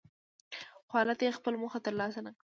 خو هلته یې خپله موخه ترلاسه نکړه.